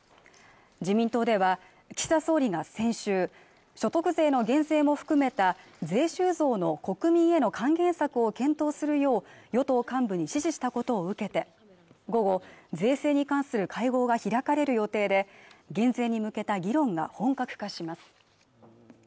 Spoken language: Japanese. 自民党では岸田総理が先週所得税の減税も含めた税収増の国民への還元策を検討するよう与党幹部に指示したことを受けて午後税制に関する会合が開かれる予定で減税に向けた議論が本格化します